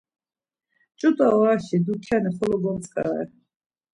Ç̌ut̆a oraşi, dukyani xolo gomtzǩare.